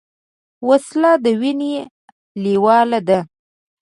وسله د وینې لیواله ده